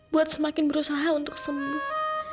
buat semakin berusaha untuk sembuh